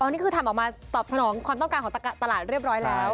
นี่คือทำออกมาตอบสนองความต้องการของตลาดเรียบร้อยแล้ว